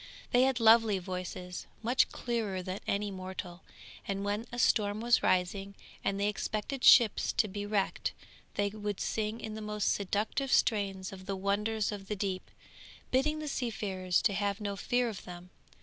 They had lovely voices, much clearer than any mortal, and when a storm was rising, and they expected ships to be wrecked, they would sing in the most seductive strains of the wonders of the deep, bidding the seafarers have no fear of them.